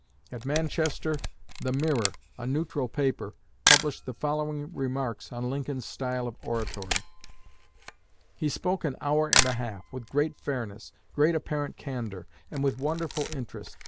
At Manchester, "The Mirror," a neutral paper, published the following remarks on Lincoln's style of oratory: "He spoke an hour and a half, with great fairness, great apparent candor, and with wonderful interest.